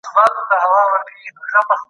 ده د نړیوال مسیحي حکومت فکر وړاندي کړ.